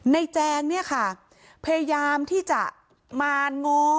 แจงเนี่ยค่ะพยายามที่จะมาง้อ